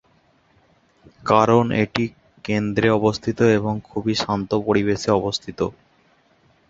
কারণ এটি কেন্দ্রে অবস্থিত এবং খুবই শান্ত পরিবেশে অবস্থিত।